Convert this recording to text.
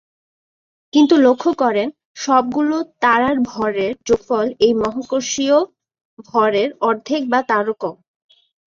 কিন্তু লক্ষ্য করেন, সবগুলো তারার ভরের যোগফল এই মহাকর্ষীয় ভরের অর্ধেক বা তারও কম।